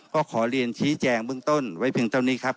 ก็ขอเรียนชี้แจงเบื้องต้นไว้เพียงเท่านี้ครับ